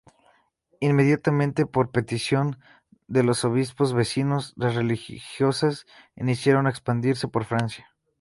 Inmediatamente, por petición de los obispos vecinos, las religiosas iniciaron a expandirse por Francia.